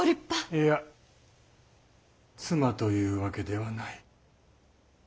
いや妻というわけではない。